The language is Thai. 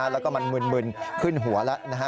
แล้วก็มันมึนขึ้นหัวแล้วนะฮะ